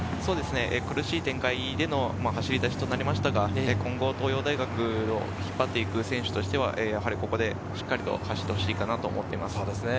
苦しい展開での走りとなりましたが、今後、東洋大学を引っ張っていく選手としてはここでしっかりと走ってほしいかなと思います。